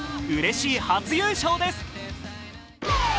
うれしい初優勝です。